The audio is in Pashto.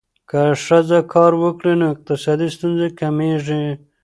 که ښځه کار وکړي، نو اقتصادي ستونزې کمېږي.